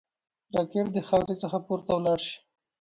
راکټ د خاورې څخه پورته ولاړ شي